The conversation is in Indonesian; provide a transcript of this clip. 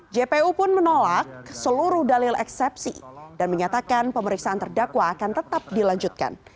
jpu pun menolak seluruh dalil eksepsi dan menyatakan pemeriksaan terdakwa akan tetap dilanjutkan